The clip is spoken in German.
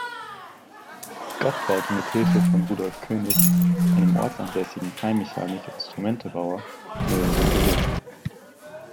Scott baute mit Hilfe von Rudolph Koenig, einem ortsansässigen Feinmechanik-Instrumentenbauer, mehrere Geräte.